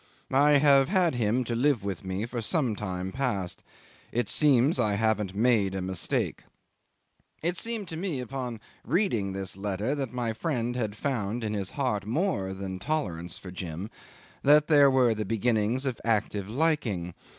I have had him to live with me for some time past. It seems I haven't made a mistake." It seemed to me on reading this letter that my friend had found in his heart more than tolerance for Jim that there were the beginnings of active liking.